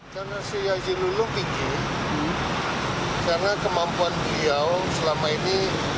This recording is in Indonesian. karena si haji lulung pikir karena kemampuan beliau selama ini